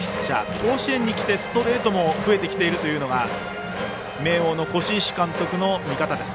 甲子園に来て、ストレートも増えてきているというのが明桜の輿石監督の見方です。